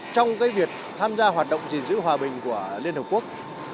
trong việc tham gia hoạt động gì giữ hòa bình của liên hiệp quốc